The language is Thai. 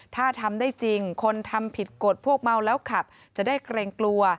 ถ้าทำได้จริงคนทำผิดกฎพวกเมาแล้วขับจะได้เกรงกลัว